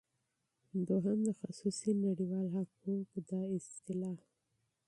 دوهم د خصوصی نړیوال حقوق دا اصطلاح